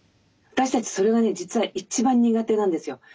私たちそれがね実は一番苦手なんですよ。